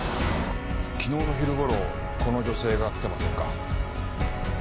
昨日の昼頃この女性が来てませんか？